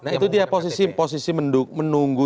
nah itu dia posisi menunggu